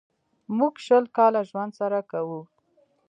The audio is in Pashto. موږ شل کاله ژوند سره کوو.